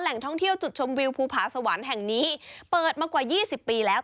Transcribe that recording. ท่องเที่ยวจุดชมวิวภูผาสวรรค์แห่งนี้เปิดมากว่า๒๐ปีแล้ว